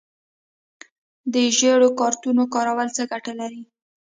د ژیړو کارتونو کارول څه ګټه لري؟